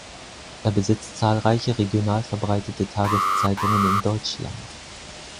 Er besitzt zahlreiche regional verbreitete Tageszeitungen in Deutschland.